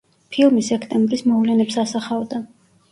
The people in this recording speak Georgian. ფილმი სექტემბრის მოვლენებს ასახავდა.